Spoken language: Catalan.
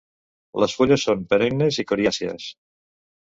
Les fulles són perennes i coriàcies.